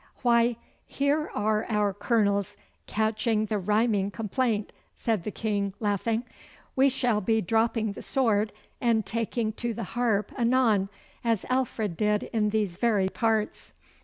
'Why, here are our Colonels catching the rhyming complaint,' said the King, laughing. 'We shall be dropping the sword and taking to the harp anon, as Alfred did in these very parts.